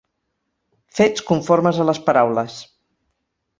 Fets conformes a les paraules.